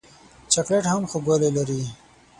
چاکلېټ هم خوږوالی لري.